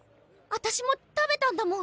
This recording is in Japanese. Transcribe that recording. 私も食べたんだもん。